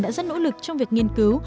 đã rất nỗ lực trong việc nghiên cứu